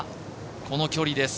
この距離です。